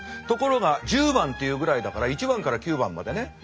ところが十番っていうぐらいだから一番から九番までね。